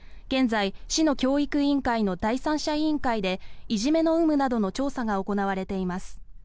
現在、市の教育委員会の第三者委員会でいじめの有無などの調査が行われています。